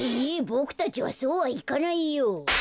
ボクたちはそうはいかないよ。